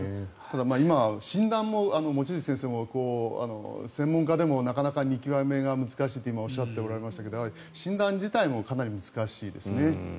今、診断も望月先生も専門家でもなかなか見極めが難しいとおっしゃっていましたが診断自体もかなり難しいですね。